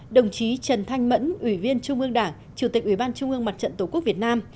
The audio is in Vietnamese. đồng chí trần thanh mẫn ủy viên trung ương đảng chủ tịch ủy ban trung ương mặt trận tổ quốc việt nam